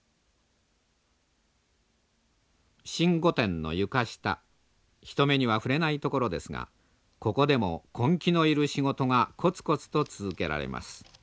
新御殿の床下人目には触れない所ですがここでも根気のいる仕事がコツコツと続けられます。